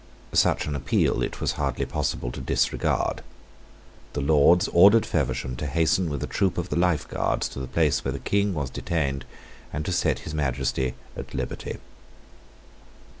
Such an appeal it was hardly possible to disregard. The Lords ordered Feversham to hasten with a troop of the Life Guards to the place where the King was detained, and to set his Majesty at liberty.